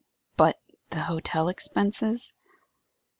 "But the hotel expenses?"